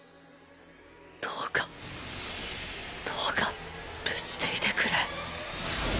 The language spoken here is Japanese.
どうかどうか無事でいてくれ